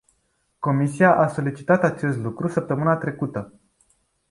Comisia a solicitat acest lucru săptămâna trecută.